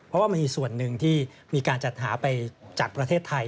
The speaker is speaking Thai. เพราะว่ามันมีส่วนหนึ่งที่มีการจัดหาไปจากประเทศไทย